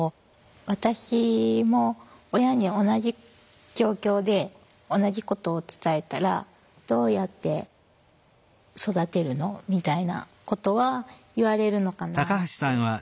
私も親に同じ状況で同じことを伝えたら「どうやって育てるの？」みたいなことは言われるのかなって思ってて。